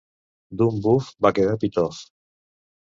D'un buf va quedar pitof.